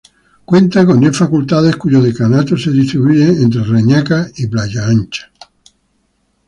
Cuenta con diez facultades, cuyos decanatos se distribuyen entre Reñaca y Playa Ancha.